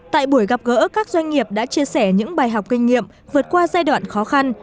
tại buổi gặp gỡ các doanh nghiệp đã chia sẻ những bài học kinh nghiệm vượt qua giai đoạn khó khăn